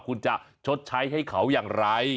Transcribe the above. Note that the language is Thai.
คุณจะชดใช้ให้เขาอย่างไร